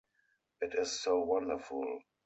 It is so wonderful.